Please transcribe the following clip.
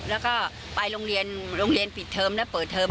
แล้วก็ไปโรงเรียนโรงเรียนปิดเทอมและเปิดเทอม